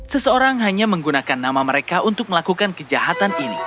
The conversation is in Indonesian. seseorang hanya menggunakan nama mereka untuk melakukan kejahatan ini